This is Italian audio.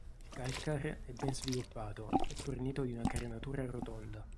Il calcar è ben sviluppato e fornito di una carenatura rotonda.